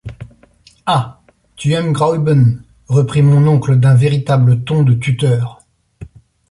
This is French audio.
Ah ! tu aimes Graüben ! reprit mon oncle d’un véritable ton de tuteur !